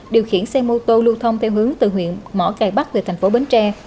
điều khiển xe mô tô lưu thông theo hướng từ huyện mỏ cài bắc về tp bến tre